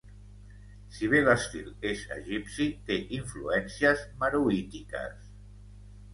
Si bé l'estil és egipci té influències meroítiques.